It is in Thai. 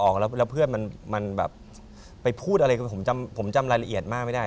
ก็เลยผมจำรายละเอียดมากไม่ได้